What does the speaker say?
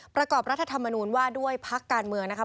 ประกอบรัฐธรรมนูญว่าด้วยพักการเมืองนะคะ